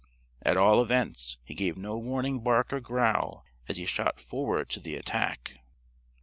At all events, he gave no warning bark or growl as he shot forward to the attack.